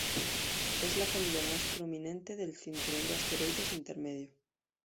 Es la familia más prominente del cinturón de asteroides intermedio.